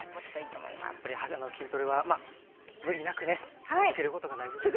やっぱり初めての筋トレはまあ無理なくね続けることが大事ですね。